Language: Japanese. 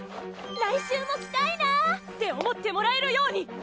来週も来たいなって思ってもらえるように！